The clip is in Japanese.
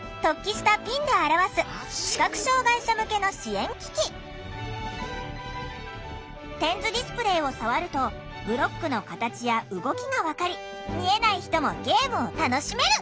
点図ディスプレーとは点図ディスプレーを触るとブロックの形や動きが分かり見えない人もゲームを楽しめる。